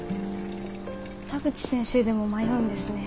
田口先生でも迷うんですね。